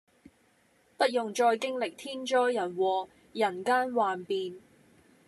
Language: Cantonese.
不用再經歷天災人禍，人間幻變